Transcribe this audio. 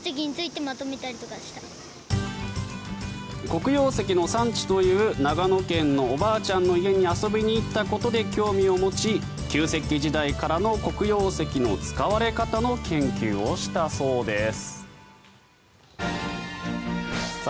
黒曜石の産地という長野県のおばあちゃんの家に遊びに行ったことで興味を持ち旧石器時代からの黒曜石の使われ方の研究をしたそうです。